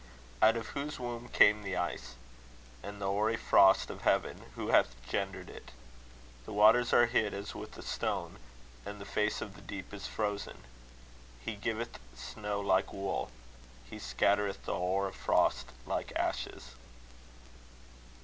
Out of whose womb came the ice? and the hoary frost of heaven, who hath gendered it? The waters are hid as with a stone, and the face of the deep is frozen. He giveth snow like wool; he scattereth the hoar frost like ashes.